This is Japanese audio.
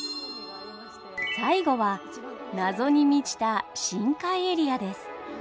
最後は謎に満ちた深海エリアです。